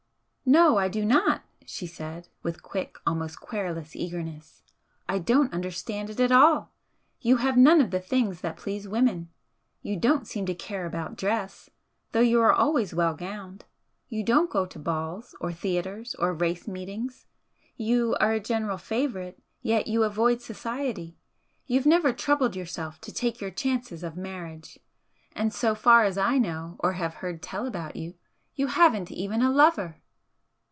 "No, I do not," she said, with quick, almost querulous? eagerness "I don't understand it at all. You have none of the things that please women. You don't seem to care about dress though you are always well gowned you don't go to balls or theatres or race meetings, you are a general favourite, yet you avoid society, you've never troubled yourself to take your chances of marriage, and so far as I know or have heard tell about you, you haven't even a lover!"